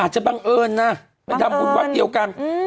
อาจจะบังเอิญน่ะบังเอิญไปทำบุญวัฒน์เดียวกันอืม